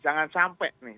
jangan sampai nih